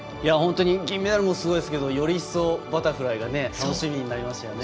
銀メダルをすごいですがより一層バタフライが楽しみになりましたよね。